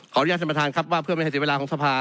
อนุญาตท่านประธานครับว่าเพื่อไม่ให้เสียเวลาของสภา